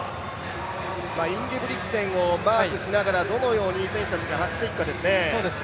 インゲブリクセンをマークしながらどのように選手たちが走っていくかですね。